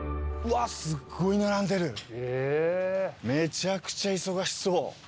めちゃくちゃ忙しそう。